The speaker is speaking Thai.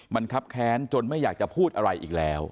มันครับแค้นจนไม่อยากจะพูดอะไรอีกแล้ว